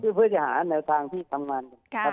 เพื่อจะหาแนวทางที่ทำงาน